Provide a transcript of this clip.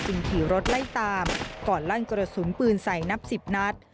ขี่รถไล่ตามก่อนลั่นกระสุนปืนใส่นับสิบนัด